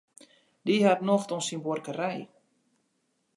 Dy hat nocht oan syn buorkerij.